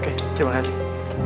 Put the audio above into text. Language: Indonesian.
oke terima kasih